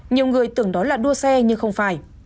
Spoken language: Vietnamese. nhiều người tưởng đó là đua xe nhưng không phải